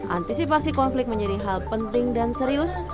antisipasi konflik menjadi hal penting dan serius